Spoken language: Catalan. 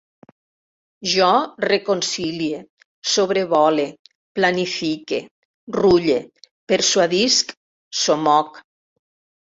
Jo reconcilie, sobrevole, plantifique, rulle, persuadisc, somoc